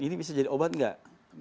ini bisa jadi obat nggak